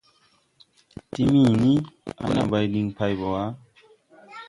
Timini: « Aã, naa bay ɓi pay ɓɔ wa. ».